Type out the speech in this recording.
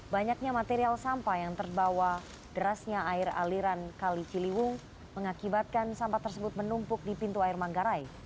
banyaknya material sampah yang terbawa derasnya air aliran kali ciliwung mengakibatkan sampah tersebut menumpuk di pintu air manggarai